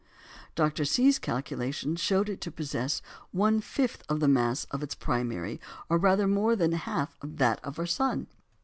Dr. See's calculations showed it to possess one fifth the mass of its primary, or rather more than half that of our sun.